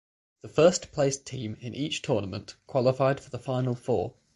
The first placed team in each tournament qualified for the final four.